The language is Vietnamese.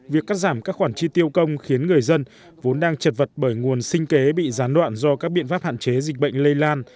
việc cắt giảm các khoản chi tiêu công khiến người dân vốn đang trật vật bởi nguồn sinh kế bị gián đoạn do các biện pháp hạn chế dịch bệnh lây lan